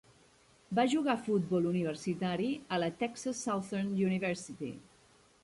Va jugar a futbol universitari a la Texas Southern University.